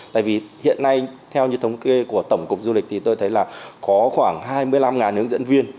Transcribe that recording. theo như thống kê của tổng cục du lịch thì tôi thấy là có khoảng hai mươi năm hướng dẫn viên